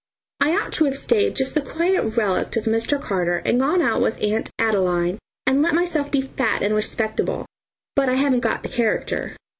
I ought to have stayed just the quiet relict of Mr. Carter and gone out with Aunt Adeline and let myself be fat and respectable; but I haven't got the character.